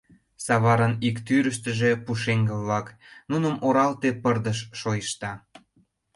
Саварын ик тӱрыштыжӧ — пушеҥге-влак, нуным оралте пырдыж шойышта.